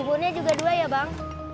kebunnya juga dua ya bang